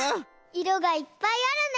いろがいっぱいあるね。